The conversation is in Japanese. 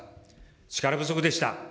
力不足でした。